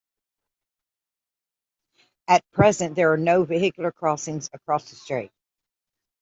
At present, there are no vehicular crossings across the strait.